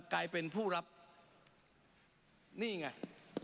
กลายเป็นผู้รับนี่ไง